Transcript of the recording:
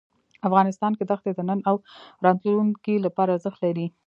افغانستان کې دښتې د نن او راتلونکي لپاره ارزښت لري.